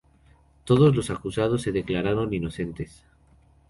Todos los acusados se declararon inocentes.